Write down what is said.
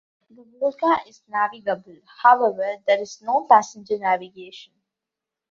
The Volga is navigable; however, there is no passenger navigation.